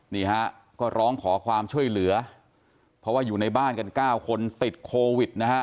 นี่ฮะก็ร้องขอความช่วยเหลือเพราะว่าอยู่ในบ้านกัน๙คนติดโควิดนะฮะ